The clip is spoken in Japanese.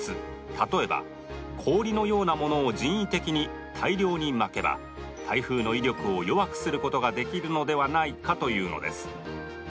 例えば氷のようなものを人為的に大量にまけば台風の威力を弱くすることができるのではないかというのです